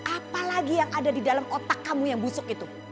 apalagi yang ada di dalam otak kamu yang busuk itu